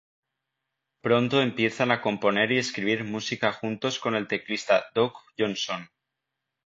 Pronto empiezan a componer y escribir música juntos con el teclista Doug Johnson.